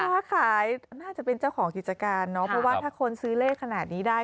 ค้าขายน่าจะเป็นเจ้าของกิจการเนอะเพราะว่าถ้าคนซื้อเลขขนาดนี้ได้